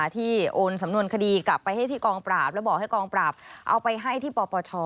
ที่โอนสำนวนคดีกลับไปให้ที่กองปราบแล้วบอกให้กองปราบเอาไปให้ที่ปปช